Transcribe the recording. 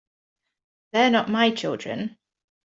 They're not my children.